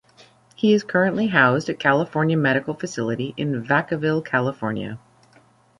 He is currently housed at California Medical Facility in Vacaville, California.